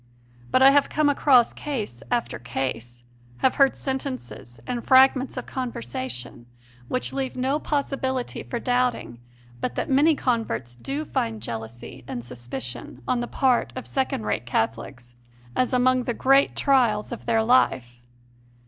But I have come across case after case, have heard sentences and fragments of conversation which leave no possibility for doubting but that many converts do find jealousy and suspicion on the part of second rate Catholics as among the greatest trials of their life.